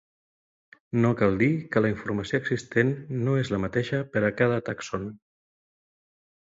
No cal dir que la informació existent no és la mateixa per a cada tàxon.